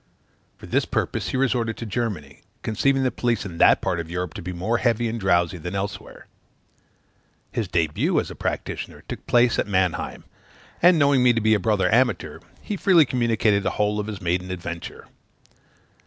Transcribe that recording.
For this purpose he resorted to Germany, conceiving the police in that part of Europe to be more heavy and drowsy than elsewhere. His debut as a practitioner took place at Mannheim; and, knowing me to be a brother amateur, he freely communicated the whole of his maiden adventure.